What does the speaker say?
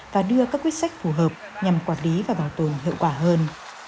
và đưa các quyết sách phù hợp nhằm quản lý và bảo tồn hiệu quả hơn